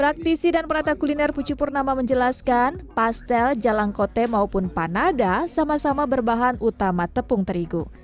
praktisi dan perata kuliner pucupurnama menjelaskan pastel jalang kote maupun panada sama sama berbahan utama tepung terigu